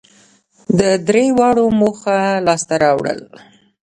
د درېواړو موخو لاسته راوړل